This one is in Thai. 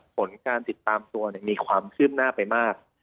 ผลการติดตามตัวมีความคืบหน้าไปมาก